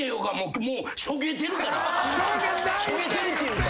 しょげてるっていうか。